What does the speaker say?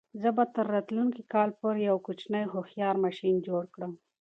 زه به تر راتلونکي کال پورې یو کوچنی هوښیار ماشین جوړ کړم.